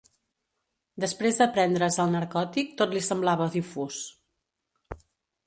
Després de prendre's el narcòtic tot li semblava difús.